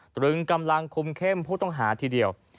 ตรึงกำลังคุมเข้มผู้ต้องหาทีเดียว